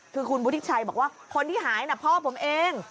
คือคุณวุฒิชัยบอกว่าคนที่หายนะพ่อผมเอง